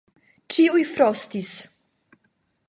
Ĉiuj frostis.